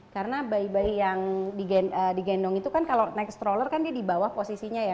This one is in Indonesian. karena bayi bayi yang digendong itu kan kalau naik stroller kan dia di bawah posisinya ya